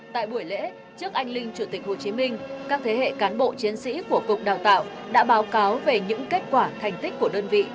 tại buổi lễ trước anh linh chủ tịch hồ chí minh các thế hệ cán bộ chiến sĩ của cục đào tạo đã báo cáo về những kết quả thành tích của đơn vị